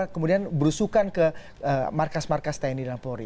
kemudian berusukan ke markas markas tni dan polri